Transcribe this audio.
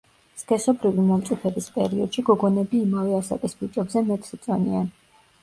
სქესობრივი მომწიფების პერიოდში გოგონები იმავე ასაკის ბიჭებზე მეტს იწონიან.